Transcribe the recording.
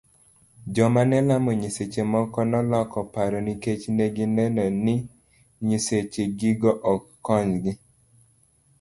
Joma nelamo nyiseche moko noloko paro nikech negi neno ni nyiseche gigo ok konygi.